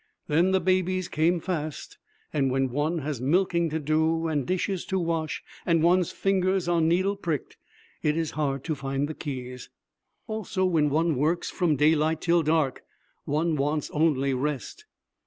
Then the babies came fast, and when one has milking to do and dishes to wash and one's fingers are needle pricked, it is hard to find the keys. Also, when one works from daylight till dark, one wants only rest.